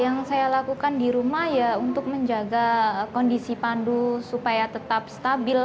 yang saya lakukan di rumah ya untuk menjaga kondisi pandu supaya tetap stabil